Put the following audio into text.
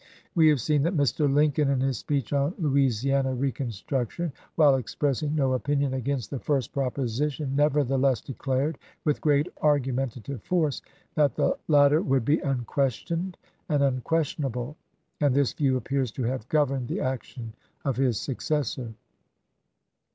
We have seen that Mr. Lincoln, in his speech on Louisiana reconstruction, while express ing no opinion against the first proposition, never theless declared, with great argumentative force, that the latter " would be unquestioned and unques tionable "; and this view appears to have governed the action of his successor.